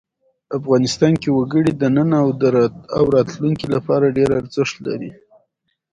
افغانستان کې وګړي د نن او راتلونکي لپاره ډېر ارزښت لري.